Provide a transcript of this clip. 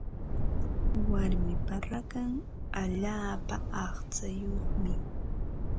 Warmipa rakan allaapa aqchayuqmi.